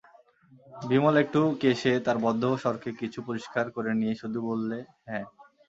বিমলা একটু কেশে তার বদ্ধ স্বরকে কিছু পরিষ্কার করে নিয়ে শুধু বললে, হাঁ।